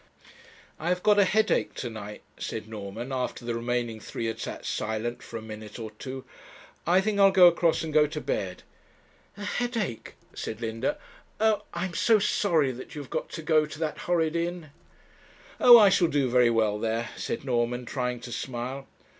'I have got a headache to night,' said Norman, after the remaining three had sat silent for a minute or two; 'I think I'll go across and go to bed.' 'A headache!' said Linda. 'Oh, I am so sorry that you have got to go to that horrid inn.' 'Oh! I shall do very well there,' said Norman, trying to smile.